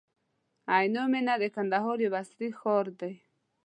عینو مېنه د کندهار یو عصري ښار دی.